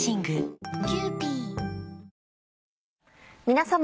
皆様。